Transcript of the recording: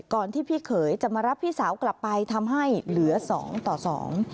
ที่พี่เขยจะมารับพี่สาวกลับไปทำให้เหลือสองต่อสอง